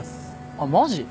あっマジ？